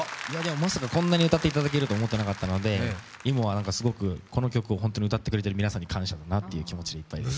まさかこんなに歌っていただけるとは思ってなかったので今はすごくこの曲を本当に歌ってくれている皆さんに感謝だなという気持ちでいっぱいです。